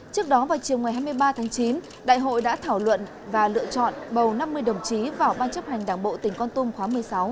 trước đó vào chiều ngày hai mươi ba tháng chín đại hội đã thảo luận và lựa chọn bầu năm mươi đồng chí vào ban chấp hành đảng bộ tỉnh con tum khóa một mươi sáu